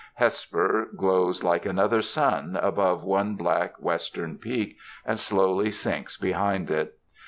Hesper glows like another sun, above one black western peak and slowly sinks behind it.